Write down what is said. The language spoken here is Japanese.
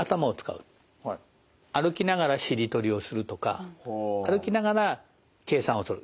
歩きながらしりとりをするとか歩きながら計算をする。